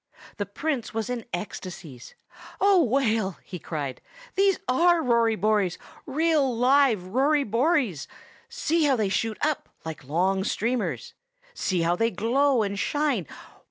The Prince was in ecstasies. "Oh, Whale!" he cried, "these are Rory Bories, real live Rory Bories! See how they shoot up, like long streamers! See how they glow and shine!